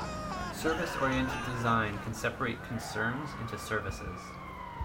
Service-oriented design can separate concerns into services.